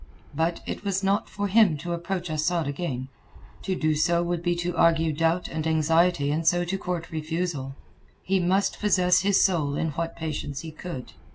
But, it was not for him to approach Asad again; to do so would be to argue doubt and anxiety and so to court refusal. He must possess his soul in what patience he could.